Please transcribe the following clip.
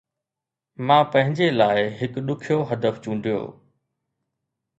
مان پنهنجي لاءِ هڪ ڏکيو هدف چونڊيو